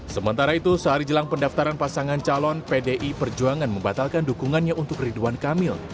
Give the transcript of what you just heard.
sementara itu sehari jelang pendaftaran pasangan calon pdi perjuangan membatalkan dukungannya untuk ridwan kamil